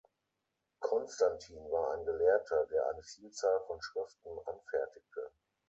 Konstantin war ein Gelehrter, der eine Vielzahl von Schriften anfertigte.